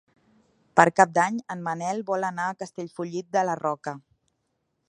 Per Cap d'Any en Manel vol anar a Castellfollit de la Roca.